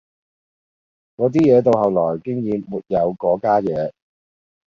嗰啲嘢到後來經已沒有嗰家野